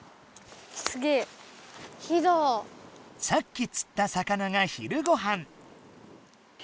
さっきつった魚が昼ごはん。